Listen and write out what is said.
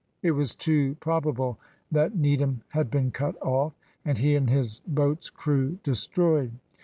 It was too probable that Needham had been cut off, and he and his boat's crew destroyed.